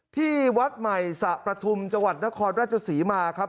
ที่วัดใหม่สะประทุมจังหวัดนครราชศรีมาครับ